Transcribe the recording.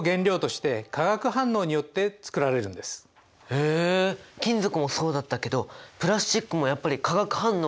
へえ金属もそうだったけどプラスチックもやっぱり化学反応が関係してくるんですね。